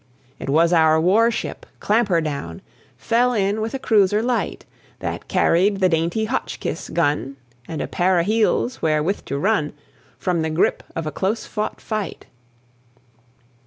It was our war ship Clampherdown, Fell in with a cruiser light That carried the dainty Hotchkiss gun And a pair o' heels wherewith to run, From the grip of a close fought fight.